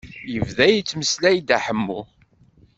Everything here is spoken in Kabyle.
Yebda yettmeslay Dda Ḥemmu.